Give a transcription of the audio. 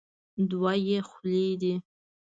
دوه یې خولې دي.